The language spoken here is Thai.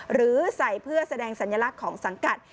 หรือใส่เพื่อแสดงสัญลักษณ์ของสังกัด